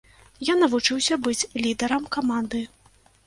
Я навучыўся быць лідарам каманды.